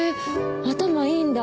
頭いいんだ。